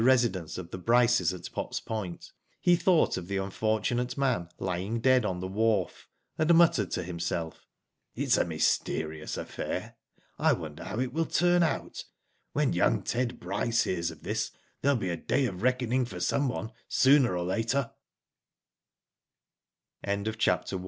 residence of the Bryces at Potts Point, he thought of the unfortunate man lying dead on the wharf, and muttered to himself: ''It's a mysterious affair. I wonder how it will turn out ? When young Ted Bryce hears of this, there will be a day of reckoning